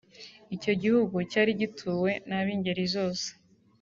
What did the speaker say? icyo gihugu cyari gituwe n'ab'ingeri zose